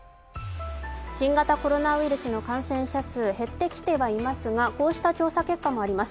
新型コロナウイルスの感染者数減ってきてはいますが、こうした調査結果もあります。